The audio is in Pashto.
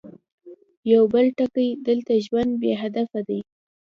يو بل ټکی، دلته ژوند بې هدفه دی.